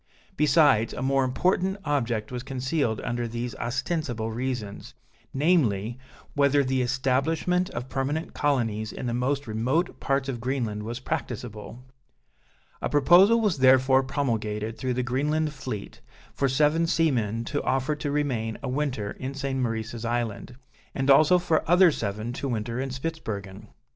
Besides, a more important object was concealed under these ostensible reasons, namely, whether the establishment of permanent colonies in the most remote parts of Greenland was practicable. A proposal was therefore promulgated through the Greenland fleet, for seven seamen to offer to remain a winter in St. Maurice's Island, and also for other seven to winter in Spitzbergen.